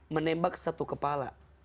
menembak satu kepala